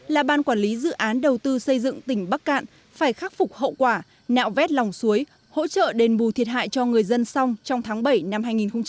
là ban quản lý dự án đầu tư xây dựng tỉnh bắc cạn phải khắc phục hậu quả nạo vét lòng suối hỗ trợ đền bù thiệt hại cho người dân xong trong tháng bảy năm hai nghìn hai mươi